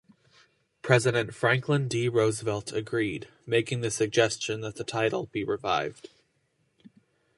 President Franklin D. Roosevelt agreed, making the suggestion that the title be revived.